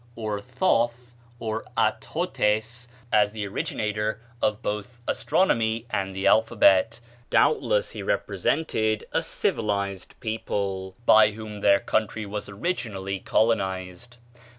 or Thoth, or At hotes, as the originator of both astronomy and the alphabet; doubtless he represented a civilized people, by whom their country was originally colonized.